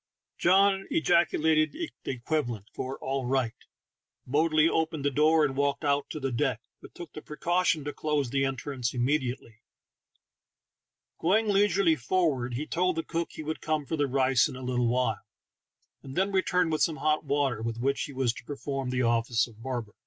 John ejaculated the equivalent for "all right," boldly opened the door, and walked out to the deck, but took the precaution to close the entrance immediately. Going leisurely forward, he told the cook he would come for the rice in a little while, and then returned with some hot water, with which he was to perform the office of barber.